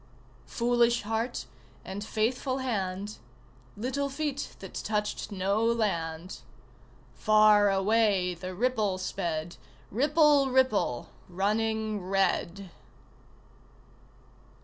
Foolish heart and faithful hand, Little feet that touched no land. Far away the ripple sped, Ripple ripple running red!